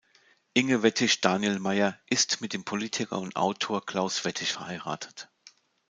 Inge Wettig-Danielmeier ist mit dem Politiker und Autor Klaus Wettig verheiratet.